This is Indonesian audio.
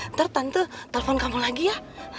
ntar tante telepon kamu lagi ya